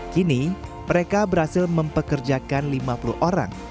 kini mereka berhasil mempekerjakan lima puluh orang